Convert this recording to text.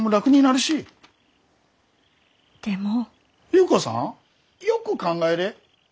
優子さんよく考えれ。